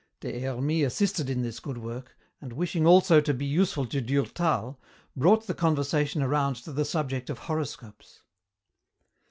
Des Hermies assisted in this good work, and wishing also to be useful to Durtal, brought the conversation around to the subject of horoscopes.